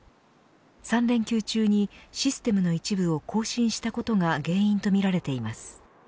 ３連休中にシステムの一部を更新したことが原因とみられています。